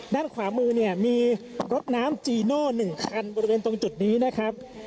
ด้านขวามือเนี่ยมีรถน้ำจีโน่๑คันบริเวณตรงจุดนี้นะครับ